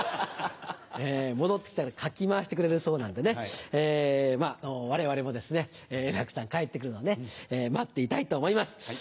戻って来たらかき回してくれるそうなんでね我々もですね円楽さん帰って来るのをね待っていたいと思います。